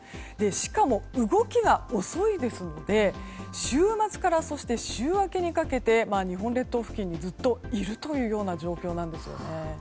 しかも、動きが遅いですので週末から週明けにかけて日本列島付近にずっといるという状況なんですね。